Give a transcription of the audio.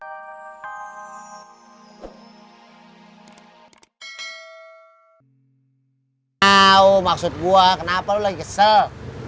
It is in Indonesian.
tidak tau maksud gua kenapa lu lagi kesel